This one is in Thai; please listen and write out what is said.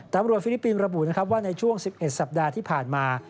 ตำรวจฟิลิปปินส์ระบุว่าในช่วง๑๑สัปดาห์ที่ผ่านมา